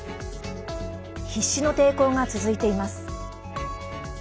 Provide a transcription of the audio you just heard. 必死の抵抗が続いています。